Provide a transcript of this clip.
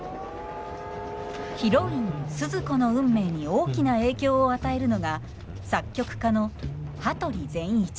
ヒロインスズ子の運命に大きな影響を与えるのが作曲家の羽鳥善一。